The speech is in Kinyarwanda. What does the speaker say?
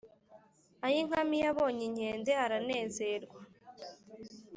ayinkamiye abonya inkende aranezerwa